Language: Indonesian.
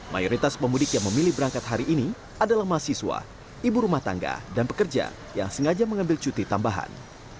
mayoritas pemudik yang memilih berangkat hari ini adalah mahasiswa ibu rumah tangga dan pekerja yang sengaja mengambil cuti tambahan